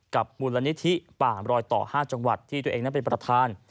มูลนิธิป่ามรอยต่อ๕จังหวัดที่ตัวเองนั้นเป็นประธาน